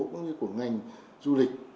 cũng như của ngành du lịch